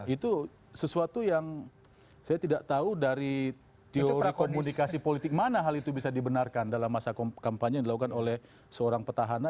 itu sesuatu yang saya tidak tahu dari teori komunikasi politik mana hal itu bisa dibenarkan dalam masa kampanye yang dilakukan oleh seorang petahana